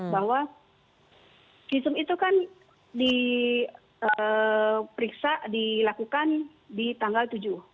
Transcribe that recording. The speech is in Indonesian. bahwa visum itu kan diperiksa dilakukan di tanggal tujuh